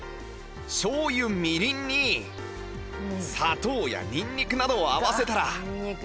しょう油みりんに砂糖やにんにくなどを合わせたら